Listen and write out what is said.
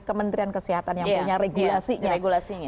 kementerian kesehatan yang punya regulasinya regulasinya